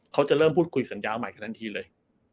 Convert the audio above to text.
เขาจะเริ่มพูดคุยสัญญาใหม่ขนาดนั้นจนเลย